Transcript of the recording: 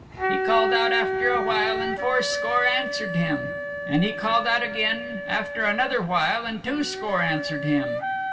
He called out after a while and four score answered him. And he called out again after another while and two score answered him.